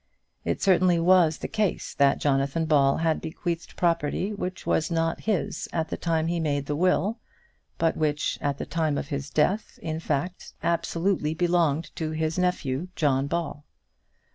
It certainly was the case that Jonathan Ball had bequeathed property which was not his at the time he made the will, but which at the time of his death, in fact, absolutely belonged to his nephew, John Ball.